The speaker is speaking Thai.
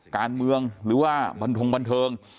การเมืองหรือว่าบันทงบันเทิง